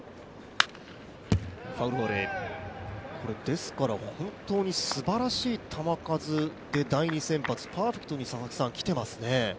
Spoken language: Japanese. ですから、本当にすばらしい球数で第２先発、パーフェクトにきていますね。